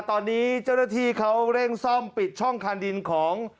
ตอนนี้เจ้าหน้าที่เขาเร่งซ่อมปิดช่องคันดินของ